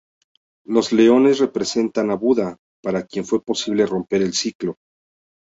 Los leones representan a Buda, para quien fue posible romper el ciclo.